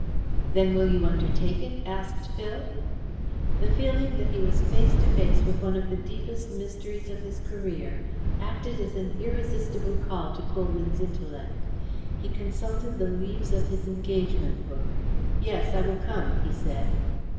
"Then will you undertake it?" asked Phil. The feeling that he was face to face with one of the deepest mysteries of his career acted as an irresistible call to Colwyn's intellect. He consulted the leaves of his engagement book. "Yes, I will come," he said.